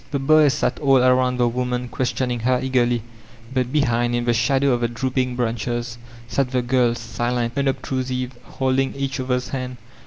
The boys sat all about the wonuui questioning her eagerly, but behind in the shadow of the drooping branches sat the girb» silent, unobtrusive, holding each other's hands.